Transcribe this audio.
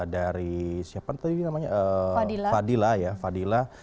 dari siapa tadi namanya fadila ya fadila